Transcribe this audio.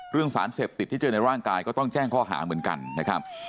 สารเสพติดที่เจอในร่างกายก็ต้องแจ้งข้อหาเหมือนกันนะครับ